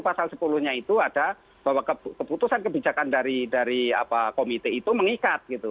pasal sepuluh nya itu ada bahwa keputusan kebijakan dari komite itu mengikat gitu